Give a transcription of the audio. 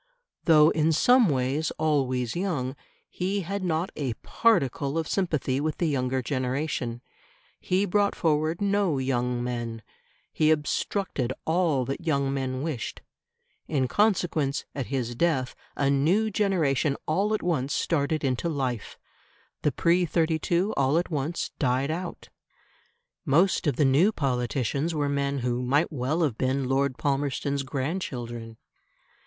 Though in some ways always young, he had not a particle of sympathy with the younger generation; he brought forward no young men; he obstructed all that young men wished. In consequence, at his death a new generation all at once started into life; the pre '32 all at once died out. Most of the new politicians were men who might well have been Lord Palmerston's grandchildren.